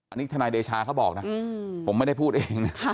อันนี้ทนายเดชาเขาบอกนะผมไม่ได้พูดเองนะ